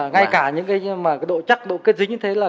ngay cả những cái mà độ chắc độ kết dính như thế là